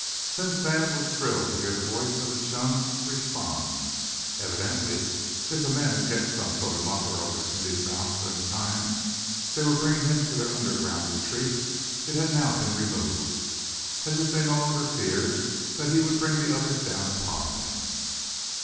Then Thad was thrilled to hear the voice of his chum respond. Evidently, if the men had kept some sort of muffler over Smithy's mouth during the time they were bringing him to their underground retreat, it had now been removed, as if they no longer feared that he would bring the others down upon them.